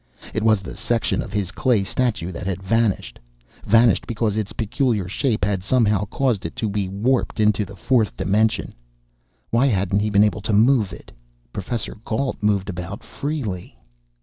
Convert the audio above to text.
It was the section of his clay statue that had vanished vanished because its peculiar shape had somehow caused it to be warped into the fourth dimension! Why hadn't he been able to move it Professor Gault moved about freely.